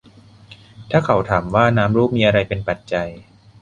ถ้าเขาถามว่า นามรูปมีอะไรเป็นปัจจัย